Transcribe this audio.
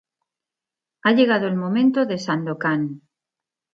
Ha llegado el momento de Sandokán.